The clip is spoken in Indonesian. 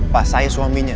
pak saya suaminya